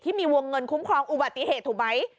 มีวงเงินคุ้มครองอุบัติเหตุถูกไหม